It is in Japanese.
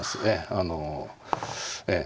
あのええ